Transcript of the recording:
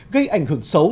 gây ảnh hưởng xấu